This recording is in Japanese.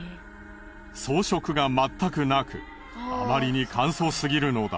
装飾がまったくなくあまりに簡素すぎるのだ。